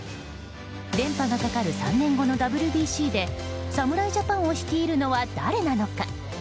連覇がかかる３年後のＷＢＣで侍ジャパンを率いるのは誰なのか。